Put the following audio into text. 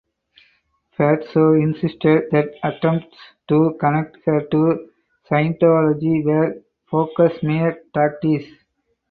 Burstow insisted that attempts to connect her to Scientology were "bogus smear tactics".